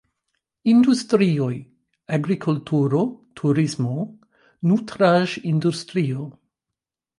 Industrioj: agrikulturo, turismo, nutraĵ-industrio.